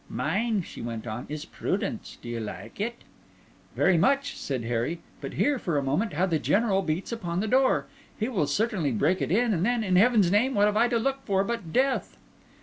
"Mine," she went on, "is Prudence. Do you like it?" "Very much," said Harry. "But hear for a moment how the General beats upon the door. He will certainly break it in, and then, in heaven's name, what have I to look for but death?"